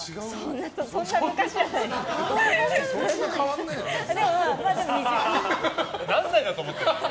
そんな昔じゃないですよ。